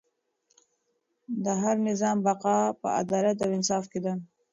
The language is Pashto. د هر نظام بقا په عدالت او انصاف کې ده.